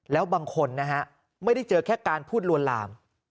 แล้วบางคนนะฮะไม่ได้เจอแค่การพูดลวนลาม